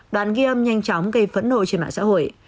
đoạn ghiêm nhanh chóng gây phẫn nội trên mạng xã hội